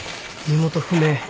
身元不明。